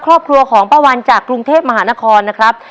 ครอบครัวของป้าวันจากกรุงเทพมหานครนะครับ